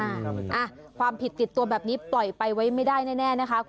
อ่ะความผิดติดตัวแบบนี้ปล่อยไปไว้ไม่ได้แน่นะคะ